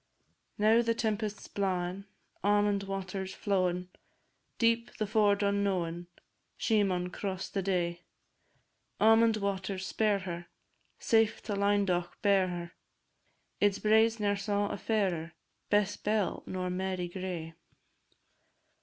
Now the tempest's blawin', Almond water 's flowin', Deep and ford unknowin', She maun cross the day. Almond waters, spare her, Safe to Lynedoch bear her! Its braes ne'er saw a fairer, Bess Bell nor Mary Gray.